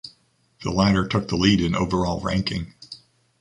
The latter took the lead in overall ranking.